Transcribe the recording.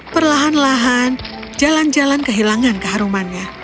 perlahan lahan jalan jalan kehilangan keharumannya